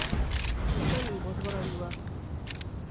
Itzali bozgorailua.